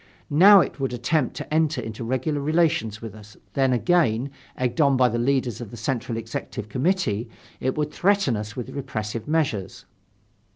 Now it would attempt to enter into regular relations with us, then again, egged on by the leaders of the Central Executive Committee, it would threaten us with repressive measures.